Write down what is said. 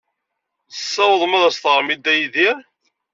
Tessawḍem ad as-teɣrem i Dda Yidir?